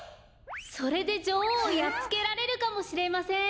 それでじょおうをやっつけられるかもしれません。